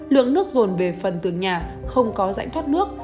lượng nước rồn về phần tường nhà không có rãnh thoát nước